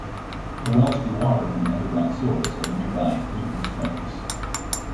The wells drew water from the underground source of the nearby Newton Springs.